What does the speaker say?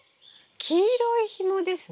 黄色いひもですね。